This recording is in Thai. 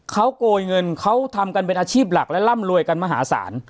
เขาโกยเงินเขาทำกันเป็นอาชีพหลักและร่ำรวยกันมหาศาล